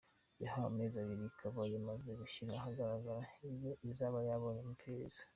yahawe amezi abiri ikaba yamaze gushyira ahagaragara ibyo izaba yabonye mu iperereza.